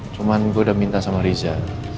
cuman gue udah minta sama riza